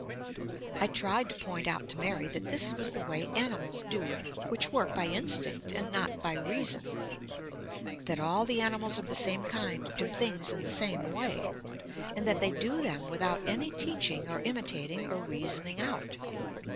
I tried to point out to Mary that this was the way animals do which work by instinct and not by reason. That all the animals of the same kind do things in the same way, and that they do them without any teaching or imitating or reasoning out.